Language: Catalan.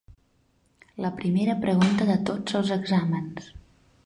La primera pregunta de tots els exàmens.